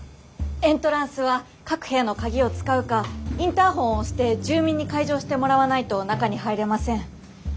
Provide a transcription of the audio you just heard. エントランスは各部屋の鍵を使うかインターホンを押して住民に解錠してもらわないと中に入れません。